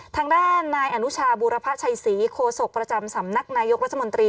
ทางด้านนายอนุชาบูรพชัยศรีโคศกประจำสำนักนายกรัฐมนตรี